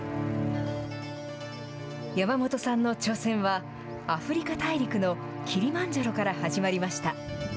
山本さんの挑戦は、アフリカ大陸のキリマンジャロから始まりました。